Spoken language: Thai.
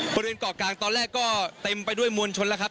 บริเวณเกาะกลางตอนแรกก็เต็มไปด้วยมวลชนแล้วครับ